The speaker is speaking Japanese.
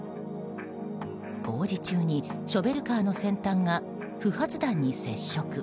工事中にショベルカーの先端が不発弾に接触。